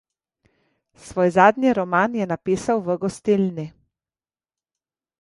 Svoj zadnji roman je napisal v gostilni.